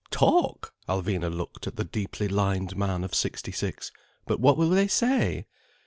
"Talk!" Alvina looked at the deeply lined man of sixty six, "But what will they say?"